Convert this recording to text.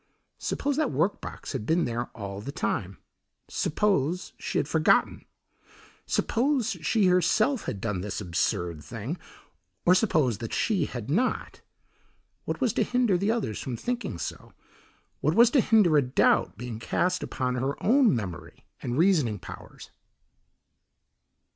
Suppose that work box had been there all the time; suppose she had forgotten; suppose she herself had done this absurd thing, or suppose that she had not, what was to hinder the others from thinking so; what was to hinder a doubt being cast upon her own memory and reasoning powers?